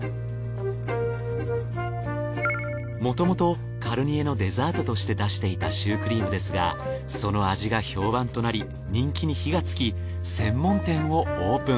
もともとかるにえのデザートとして出していたシュークリームですがその味が評判となり人気に火がつき専門店をオープン。